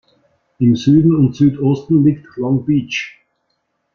Im Süden und Südosten liegt Long Beach.